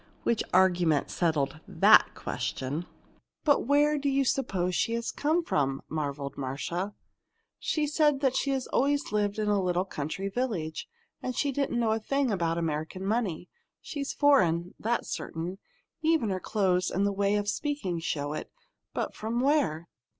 Which argument settled that question. "But where do you suppose she has come from?" marveled Marcia. "She said she'd always lived in a little country village, and she didn't know a thing about American money. She's foreign that's certain. Even her clothes and her way of speaking show it. But from where?"